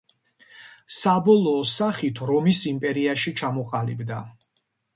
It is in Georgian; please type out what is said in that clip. საბოლოო სახით რომის იმპერიაში ჩამოყალიბდა.